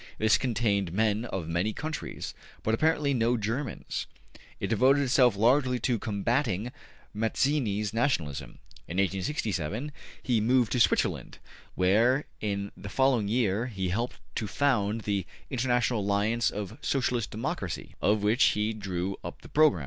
'' This contained men of many countries, but apparently no Germans. It devoted itself largely to combating Mazzini's nationalism. In 1867 he moved to Switzerland, where in the following year he helped to found the ``International Alliance of So cialist Democracy,'' of which he drew up the program.